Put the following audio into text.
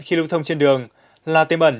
khi lưu thông trên đường là tên bẩn